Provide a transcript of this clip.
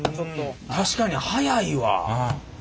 確かに速いわ。